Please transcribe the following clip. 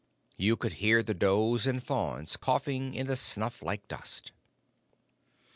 You could hear the does and fawns coughing in the snuff like dust.